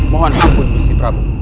mohon hampir gusti prabu